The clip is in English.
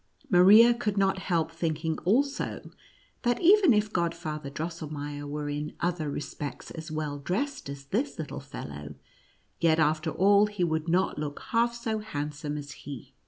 Maria could not help thinking also, that even if Godfather Drosselmeier were in other respects as well dressed as this lit tle fellow, yet after all he would not look half so handsome as he.